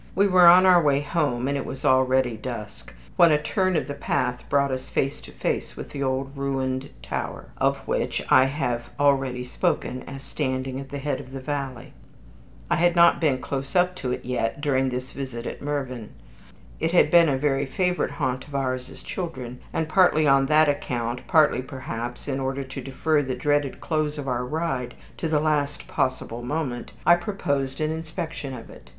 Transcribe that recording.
We were on our way home, and it was already dusk, when a turn of the path brought us face to face with the old ruined tower, of which I have already spoken as standing at the head of the valley. I had not been close up to it yet during this visit at Mervyn. It had been a very favorite haunt of ours as children, and partly on that account, partly perhaps in order to defer the dreaded close of our ride to the last possible moment, I proposed an inspection of it.